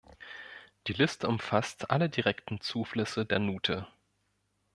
Die Liste umfasst alle direkten Zuflüsse der Nuthe.